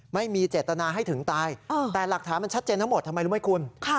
ไม่มีเจตนาให้ถึงตายแต่หลักฐานมันชัดเจนทั้งหมดทำไมรู้ไหมคุณ